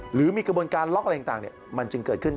หรือมีกระบวนการล็อกอะไรต่างมันจึงเกิดขึ้น